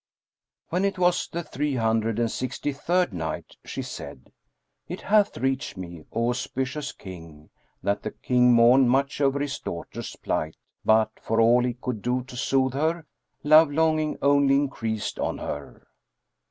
When it was the Three Hundred and Sixty third Night, She said, It hath reached me, O auspicious King, that the King mourned much over his daughter's plight but, for all he could do to soothe her, love longing only increased on her.